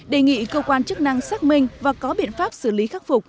đề nghị cơ quan chức năng xác minh và có biện pháp xử lý khắc phục